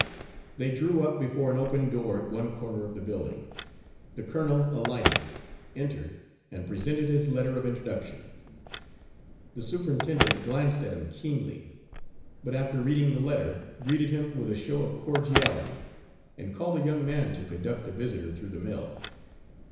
They drew up before an open door at one corner of the building. The colonel alighted, entered, and presented his letter of introduction. The superintendent glanced at him keenly, but, after reading the letter, greeted him with a show of cordiality, and called a young man to conduct the visitor through the mill.